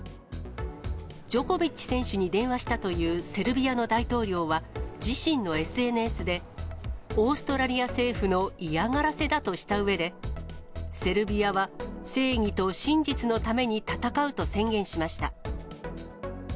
ジョコビッチ選手に電話したというセルビアの大統領は、自身のＳＮＳで、オーストラリア政府の嫌がらせだとしたうえで、セルビアは、正義と真実のために闘うと宣言しました。